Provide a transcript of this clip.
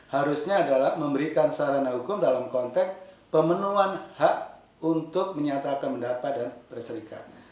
harusnya adalah memberikan sarana hukum dalam konteks pemenuhan hak untuk menyatakan pendapat dan berserikat